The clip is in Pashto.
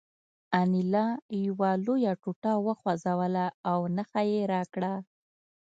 انیلا یوه لویه ټوټه وخوځوله او نښه یې راکړه